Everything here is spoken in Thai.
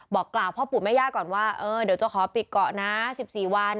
บอกกล่าวพ่อปู่แม่ย่าก่อนว่าเดี๋ยวจะขอปิดเกาะนะ๑๔วัน